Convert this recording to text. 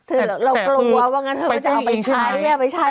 เรากลัวว่าเพราะงั้นจะคนการไงเอาไปใช้